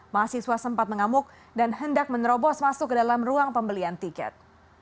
mahasiswa sempat mengamuk dan hendak menerobos masuk ke dalam ruang pembelian tiket